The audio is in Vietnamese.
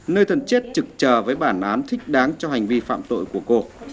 nơi thân chết trực chờ với bản án thích đáng cho hành vi phạm tội của cô